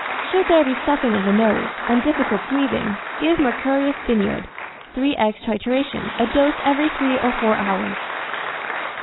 Should there be stuffing of the nose, and difficult breathing, give mercurius biniod., 3^{×} trituration, a dose every 3 or 4 hours.